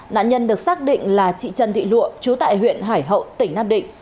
nạn nhân được xác định là chị trần thị lụa chú tại huyện hải hậu tỉnh nam định